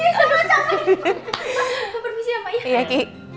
maaf permisi ya pak